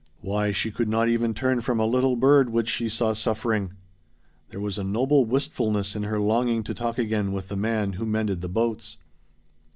Why she could not even turn from a little bird which she saw suffering! There was a noble wistfulness in her longing to talk again with the man who mended the boats.